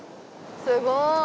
すごーい！